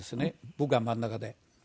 僕は真ん中で。